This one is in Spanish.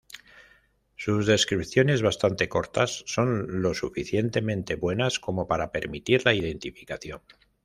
Sus descripciones, bastante cortas, son lo suficientemente buenas como para permitir la identificación.